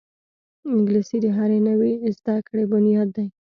انګلیسي د هرې نوې زده کړې بنیاد ده